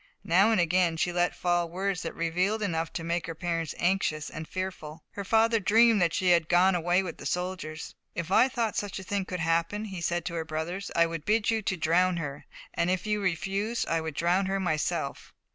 Now and again she let fall words that revealed enough to make her parents anxious and fearful. Her father dreamed that she had gone away with the soldiers. "If I thought such a thing could happen," he said to her brothers, "I would bid you drown her, and if you refused, I would drown her myself."